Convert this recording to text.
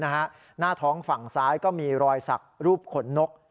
หน้าท้องฝั่งซ้ายก็มีรอยสักรูปขนนก